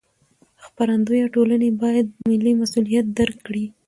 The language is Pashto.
خپرندویه ټولنې باید ملي مسوولیت درک کړي.